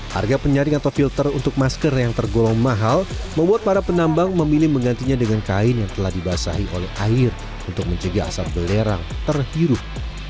harga penyaring atau filter untuk masker yang tergolong mahal membuat para penambang memilih menggantinya dengan kain yang telah dibasahi oleh air untuk menjaga asap belerang terhirup